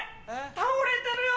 倒れてるよ！